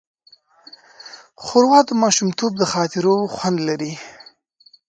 ښوروا د ماشومتوب د خاطرو خوند لري.